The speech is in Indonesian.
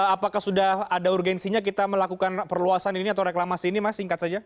apakah sudah ada urgensinya kita melakukan perluasan ini atau reklamasi ini mas singkat saja